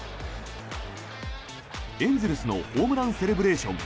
エンゼルスのホームランセレブレーション